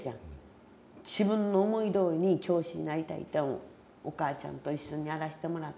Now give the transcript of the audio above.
自分の思いどおりに教師になりたいとお母ちゃんと一緒にやらしてもらった。